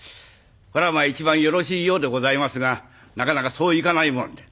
こりゃまあ一番よろしいようでございますがなかなかそういかないもんで。